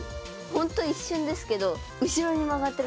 本当一瞬ですけど後ろに曲がってる気がする。